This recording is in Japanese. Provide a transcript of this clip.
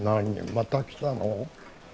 また来たの？